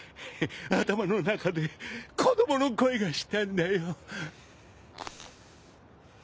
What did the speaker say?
頭の中で子供の声がしたんだよ。